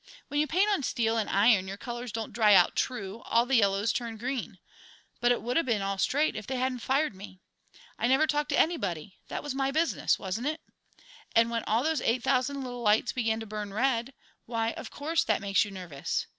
When you paint on steel and iron your colours don't dry out true; all the yellows turn green. But it would 'a' been all straight if they hadn't fired me! I never talked to anybody that was my business, wasn't it? And when all those eight thousand little lights begin to burn red, why, of course that makes you nervous!